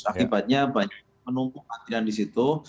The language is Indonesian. akibatnya banyak penumpukan di situ